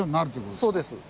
そうです。